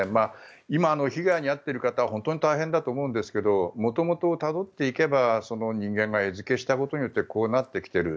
今、被害に遭っている方は本当に大変だと思うんですけど元をたどっていけば人間が餌付けしたことでこうなってきている。